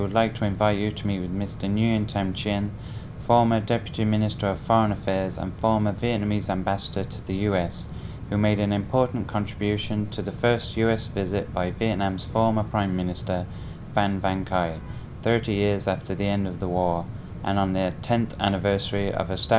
đúng vào dịp kỷ niệm một mươi năm thiết lập quan hệ ngoại giao